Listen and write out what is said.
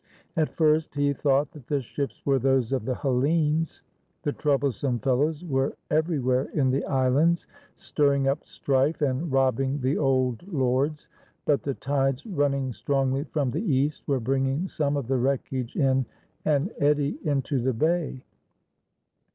At first he thought that the ships were those of the Hellenes. The troublesome fellows were everywhere in the islands, stirring up strife, and robbing the old lords. But the tides running strongly from the east were bringing some of the wreckage in an eddy into the bay.